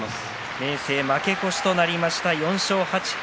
明生は負け越しとなりました、４勝８敗。